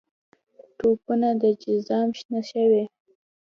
ټپونه د جزام شنه شوي